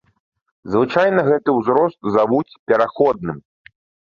Звычайна гэты ўзрост завуць пераходным.